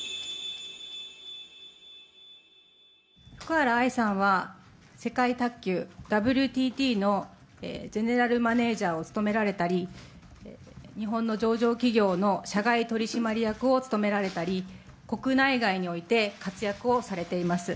福原愛さんは、世界卓球ＷＴＴのジェネラルマネージャーを務められたり、日本の上場企業の社外取締役を務められたり、国内外において活躍をされています。